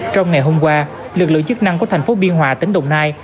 trong ngày hôm qua lực lượng chức năng của thành phố biên hòa tỉnh đồng nai